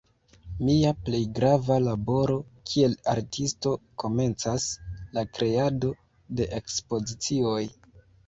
Mia plej grava laboro kiel artisto komencas: la kreado de ekspozicioj.